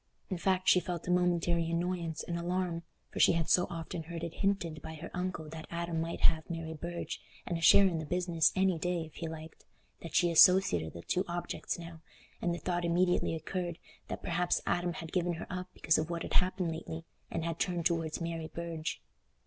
In fact she felt a momentary annoyance and alarm, for she had so often heard it hinted by her uncle that Adam might have Mary Burge and a share in the business any day, if he liked, that she associated the two objects now, and the thought immediately occurred that perhaps Adam had given her up because of what had happened lately, and had turned towards Mary Burge.